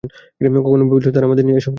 কখনো ভেবেছো তারা আমাদের দিয়ে এসব করায় কেন?